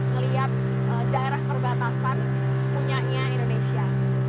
melihat daerah perbatasan punyanya indonesia